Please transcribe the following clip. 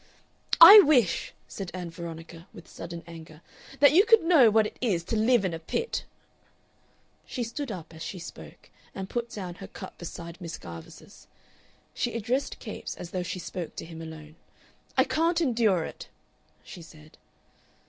"I wish," said Ann Veronica, with sudden anger, "that you could know what it is to live in a pit!" She stood up as she spoke, and put down her cup beside Miss Garvice's. She addressed Capes as though she spoke to him alone. "I can't endure it," she said.